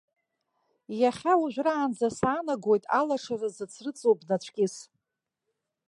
Иахьа уажәраанӡа саанагоит алашара зыцрыҵуа бнацәкьыс.